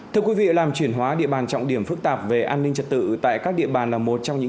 thưa quý vị làm chuyển hóa địa bàn trọng điểm phức tạp về an ninh trật tự tại các địa bàn là một trong những